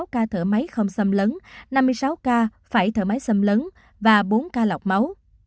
sáu ca thở máy không xâm lấn năm mươi sáu ca phải thở máy xâm lấn và bốn ca lọc máu